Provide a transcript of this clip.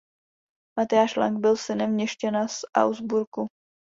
Matyáš Lang byl synem měšťana z Augsburgu.